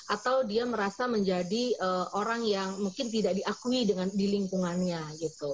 atau dia merasa menjadi orang yang mungkin tidak diakui di lingkungannya gitu